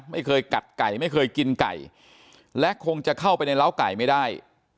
ไม่เคยกัดไก่ไม่เคยกินไก่และคงจะเข้าไปในร้าวไก่ไม่ได้